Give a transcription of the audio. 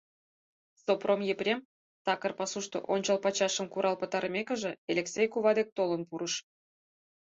Сопром Епрем, такыр пасушто ончыл пачашым курал пытарымекыже, Элексей кува дек толын пурыш.